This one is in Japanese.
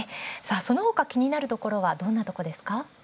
そのほか気になるところはどんなところですか？